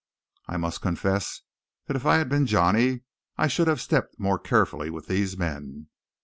I must confess that if I had been Johnny I should have stepped more carefully with these men.